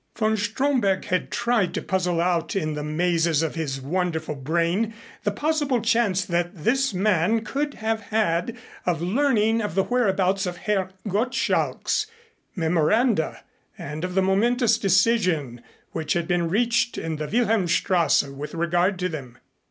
Von Stromberg had tried to puzzle out in the mazes of his wonderful brain the possible chance that this man could have had of learning of the whereabouts of Herr Gottschalk's memoranda and of the momentous decision which had been reached in the Wilhelmstrasse with regard to them.